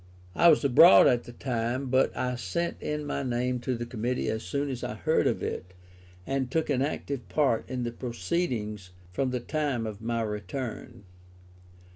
I was abroad at the time, but I sent in my name to the Committee as soon as I heard of it, and took an active part in the proceedings from the time of my return.